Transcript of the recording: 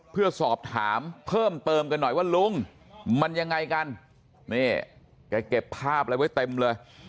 เพื่อสอบถามเพิ่มเติมกันหน่อยว่าลุงมันยังไงกันนี่แกเก็บภาพอะไรไว้เต็มเลย